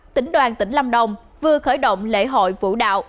tỉnh đoàn tỉnh lâm đồng vừa khởi động lễ hội vũ đạo